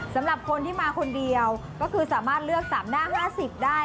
สำหรับคนที่มาคนเดียวก็คือสามารถเลือก๓หน้า๕๐ได้